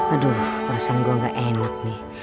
aduh perasaan gue gak enak nih